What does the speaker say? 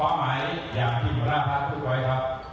ป้องไหมอย่างที่อยู่หน้าภาพทุกวัยครับ